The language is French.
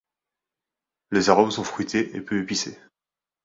Les arômes sont fruités et peu épicés.